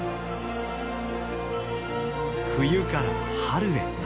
冬から春へ。